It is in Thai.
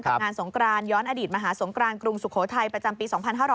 งานสงกรานย้อนอดีตมหาสงกรานกรุงสุโขทัยประจำปี๒๕๕๙